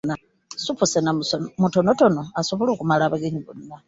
Ssupu sena mutonotono asobole okumala abagenyi bonna.